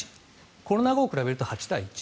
コロナ後を比べると８対１。